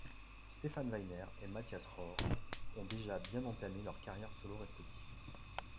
Stephan Weidner et Matthias Röhr ont déjà bien entamés leurs carrières solo respectifs.